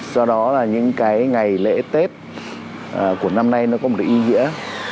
do đó là những cái ngày lễ tết của năm nay nó có một cái ý nghĩa